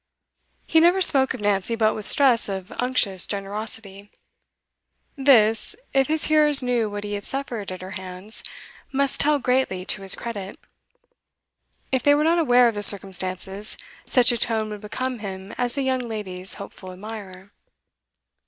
He never spoke of Nancy but with stress of unctuous generosity. This, if his hearers knew what he had suffered at her hands, must tell greatly to his credit; if they were not aware of the circumstances, such a tone would become him as the young lady's hopeful admirer.